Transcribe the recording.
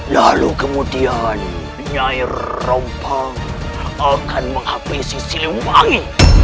lalu kemudian nyair rompang akan menghabisi siluwangi